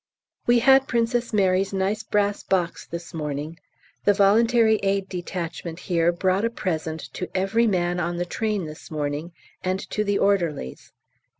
We had Princess Mary's nice brass box this morning. The V.A.D. here brought a present to every man on the train this morning, and to the orderlies.